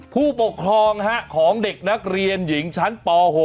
ผู้ปกครองของเด็กนักเรียนหญิงชั้นป๖